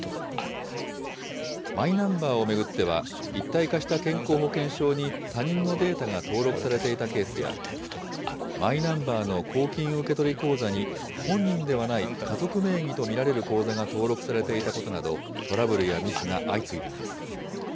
マイナンバーを巡っては、一体化した健康保険証に他人のデータが登録されていたケースや、マイナンバーの公金受取口座に本人ではない家族名義と見られる口座が登録されていたことなど、トラブルやミスが相次いでいます。